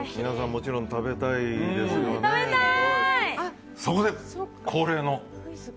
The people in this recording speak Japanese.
もちろん食べたいですよね。